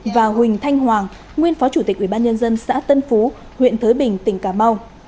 và huỳnh thanh hoàng nguyên phó chủ tịch ubnd xã tân phú huyện thới bình tỉnh cà mau